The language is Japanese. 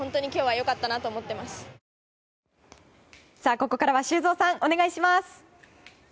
ここからは修造さんお願いします。